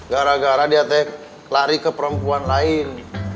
gara gara dia lari ke perempuan lain